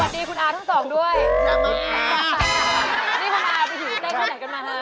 วันนี้คุณอาผูนอาได้จ้ญแหละกันมาครับ